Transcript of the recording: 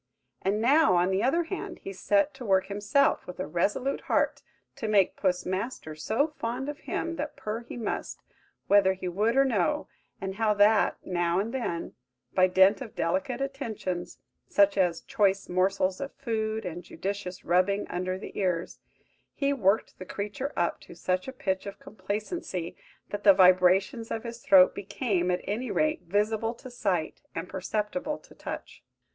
And now, on the other hand, he set to work himself, with a resolute heart, to make Puss Master so fond of him that purr he must, whether he would or no; and how that, now and then, by dint of delicate attentions, such as choice morsels of food and judicious rubbing under the ears, he worked the creature up to such a pitch of complacency, that the vibrations of his throat became, at any rate, visible to sight, and perceptible to touch.